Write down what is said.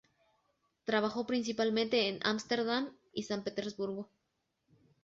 Trabajó principalmente en Ámsterdam y San Petersburgo.